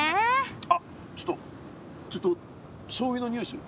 あっちょっとちょっとしょうゆの匂いする。